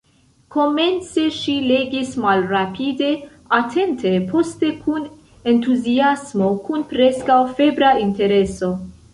Komence ŝi legis malrapide, atente, poste kun entuziasmo, kun preskaŭ febra intereso.